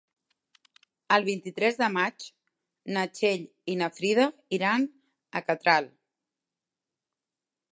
El vint-i-tres de maig na Txell i na Frida iran a Catral.